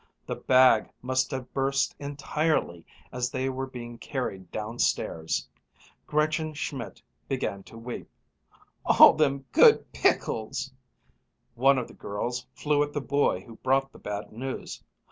The bag must have burst entirely as they were being carried downstairs. Gretchen Schmidt began to weep, "all them good pickles !" One of the girls flew at the boy who brought the bad news.